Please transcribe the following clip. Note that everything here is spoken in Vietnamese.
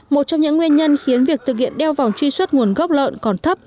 một trong những nguyên nhân khiến việc thực hiện đeo vòng truy xuất nguồn gốc lợn còn thấp